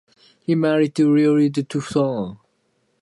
He is married to Lily Hong with two sons.